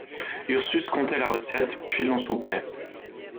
Ursus comptait la recette, puis l’on soupait.